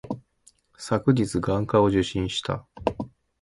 昨日、眼科を受診した。